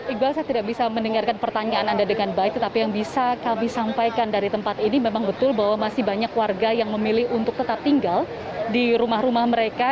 iqbal saya tidak bisa mendengarkan pertanyaan anda dengan baik tetapi yang bisa kami sampaikan dari tempat ini memang betul bahwa masih banyak warga yang memilih untuk tetap tinggal di rumah rumah mereka